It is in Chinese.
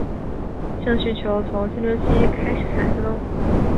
性需求从青春期开始产生。